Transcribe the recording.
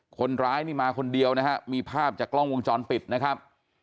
คนร้ายนี่มาคนเดียวนะฮะมีภาพจากกล้องวงจรปิดนะครับ